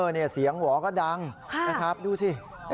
นี่เสียงหวอก็ดังนะครับดูสิ